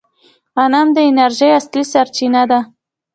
غنم د انرژۍ اصلي سرچینه ده.